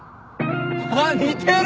あっ似てる！